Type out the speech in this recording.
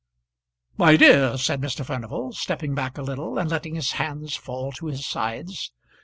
"My dear!" said Mr. Furnival, stepping back a little, and letting his hands fall to his sides.